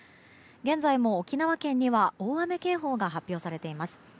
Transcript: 現在も沖縄県には大雨警報が発表されています。